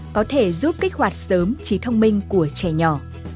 có thể giúp kích hoạt sớm trí thông minh của trẻ nhỏ